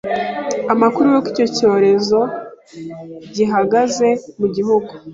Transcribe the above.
amakuru y'uko iki cyorezo gihagaze mu gihugu.